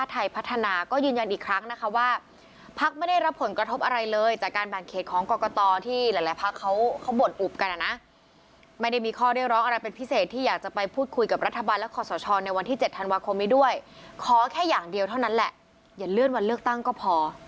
แต่ครับขอบคุณมากครับสวัสดีครับ